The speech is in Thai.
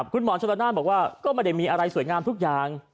คุณหมอชนละนานบอกว่าก็ไม่ได้มีอะไรสวยงามทุกอย่าง